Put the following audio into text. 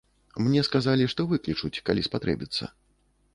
Мне сказалі, што выклічуць, калі спатрэбіцца.